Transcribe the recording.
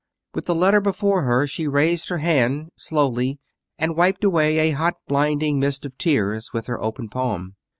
With the letter before her she raised her hand slowly and wiped away a hot, blinding mist of tears with her open palm.